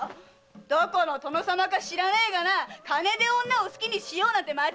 どこの殿様か知らねえがな金で女を好きにしようなんて間違ってるんだよ！